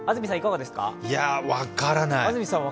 いや、分からない。